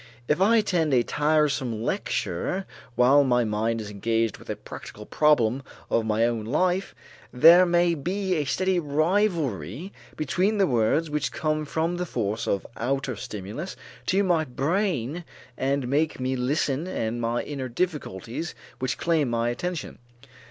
If I attend a tiresome lecture while my mind is engaged with a practical problem of my own life, there may be a steady rivalry between the words which come with the force of outer stimulus to my brain and make me listen and my inner difficulties which claim my attention.